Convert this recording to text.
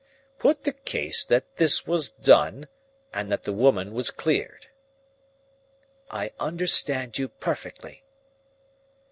Put the case that this was done, and that the woman was cleared." "I understand you perfectly."